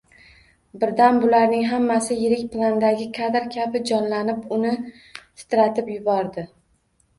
Birdan bularning hammasi yirik plandagi kadr kabi jonla-nib, uni titratib yubordi